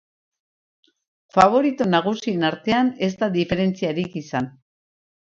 Faborito nagusien artean, ez da diferentziarik izan.